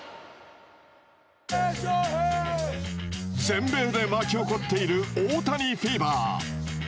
全米で巻き起こっている大谷フィーバー。